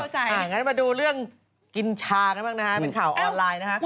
ชอบคำนี้มาก